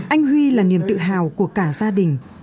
anh huy là niềm tự hào của cả gia đình